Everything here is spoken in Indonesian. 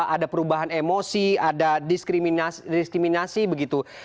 ada perubahan emosi ada diskriminasi begitu